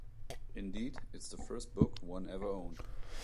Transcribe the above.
Indeed it's the first book one ever owned.